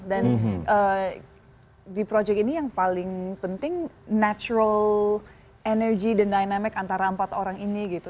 dan di project ini yang paling penting natural energy dan dynamic antara empat orang ini gitu